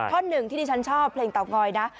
ข้อ๑ที่ดีฉันชอบเรียกเตาะงอยนะ